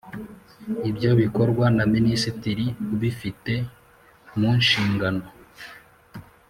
Ibyo bikorwa na minisitiri ubifite mu nshingano